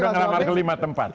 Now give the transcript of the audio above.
saya sudah ngelamar ke lima tempat